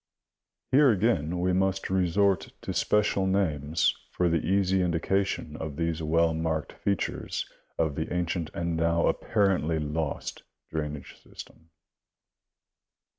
Here again we must resort to special names for the easy indication of these well marked features of the ancient and now apparently lost drainage system.